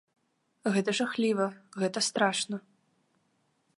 Гэта жахліва, гэта страшна.